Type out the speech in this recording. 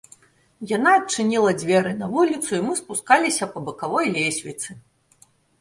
Яна адчыніла дзверы на вуліцу, і мы спускаліся па бакавой лесвіцы.